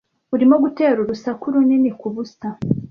Urimo gutera urusaku runini kubusa.